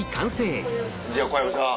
じゃあ小籔さん。